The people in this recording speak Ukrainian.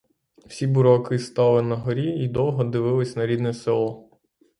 Всі бурлаки стали на горі й довго дивились на рідне село.